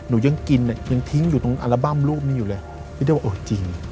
หนูยังกินยังทิ้งอยู่ตรงอัลบั้มรูปนี้อยู่เลยไม่ได้ว่าเออจริง